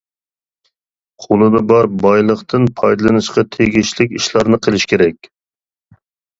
قۇلىدا بار بايلىقتىن پايدىلىنىشقا تېگىشلىك ئىشلارنى قىلىش كېرەك.